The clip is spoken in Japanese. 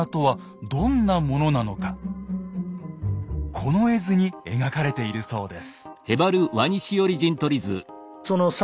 この絵図に描かれているそうです。